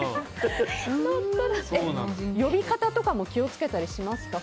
呼び方とかも気をつけたりしますか？